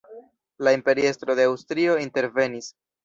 La imperiestro de Aŭstrio intervenis.